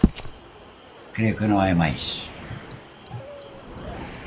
Creo que non hai máis.